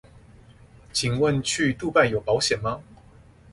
請問去杜拜有保險嗎